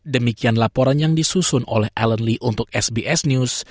demikian laporan yang disusun oleh alerly untuk sbs news